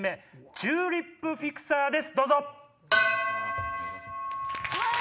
チューリップフィクサーです。